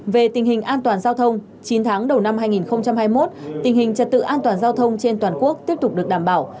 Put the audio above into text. về tình hình an toàn giao thông chín tháng đầu năm hai nghìn hai mươi một tình hình trật tự an toàn giao thông trên toàn quốc tiếp tục được đảm bảo